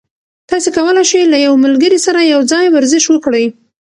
تاسي کولای شئ له یو ملګري سره یوځای ورزش وکړئ.